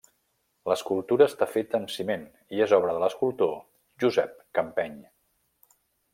L'escultura està feta amb ciment i és obra de l’escultor Josep Campeny.